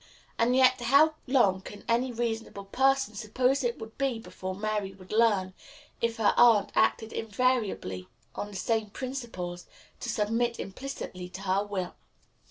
And yet how long can any reasonable person suppose it would be before Mary would learn, if her aunt acted invariably on the same principles, to submit implicitly to her will?